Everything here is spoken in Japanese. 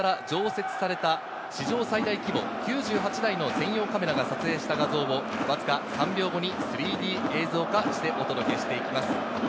今年から常設された史上最大規模９８台の専用カメラが撮影した画像をわずか３秒後に３Ｄ映像化してお届けしていきます。